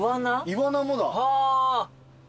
イワナもだ。